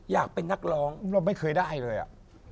อยากเป็นนักร้องเราไม่เคยได้เลยอ่ะ